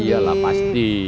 iya lah iya lah pasti